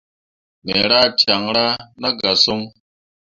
Me rah caŋra na ka son.